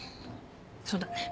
そうだね。